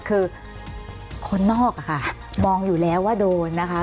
คือคนนอกอะค่ะมองอยู่แล้วว่าโดนนะคะ